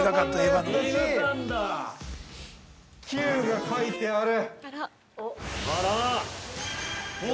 ◆Ｑが書いてある。